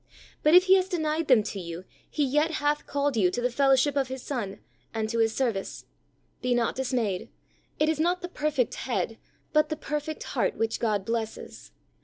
But if He has denied them to you, He yet hath called you to the fellow ship of His Son, and to His service. Be not dismayed; it is not the perfect head, but the perfect heart which God blesses.